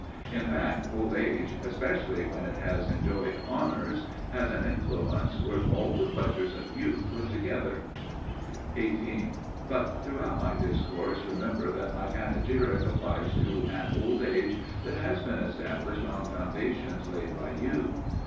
In fact, old age, especially when it has enjoyed honours, has an influence worth all the pleasures of youth put together. 18. But throughout my discourse remember that my panegyric applies to an old age that has been established on foundations laid by youth.